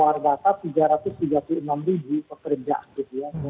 nah nontamperal us itu keluar data tiga ratus tiga puluh enam ribu pekerja gitu ya